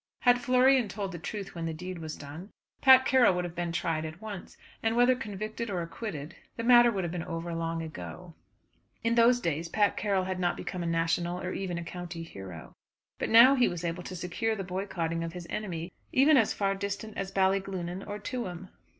Had Florian told the truth when the deed was done, Pat Carroll would have been tried at once, and, whether convicted or acquitted, the matter would have been over long ago. In those days Pat Carroll had not become a national or even a county hero. But now he was able to secure the boycotting of his enemy even as far distant as Ballyglunin or Tuam.